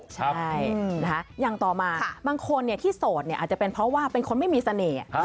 ใช่นะคะอย่างต่อมาบางคนที่โสดอาจจะเป็นเพราะว่าเป็นคนไม่มีเสน่ห์